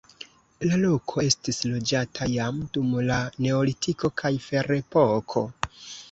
La loko estis loĝata jam dum la neolitiko kaj ferepoko.